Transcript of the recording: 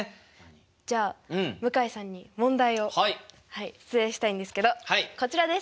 じゃあ向井さんに問題を出題したいんですけどこちらです。